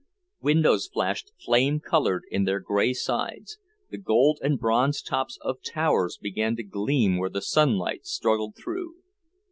Windows flashed flame coloured in their grey sides, the gold and bronze tops of towers began to gleam where the sunlight struggled through.